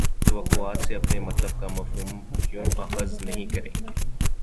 توواقعات سے اپنے مطلب کا مفہوم کیوں اخذ نہیں کریں گے؟